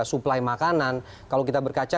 suplai makanan kalau kita berkaca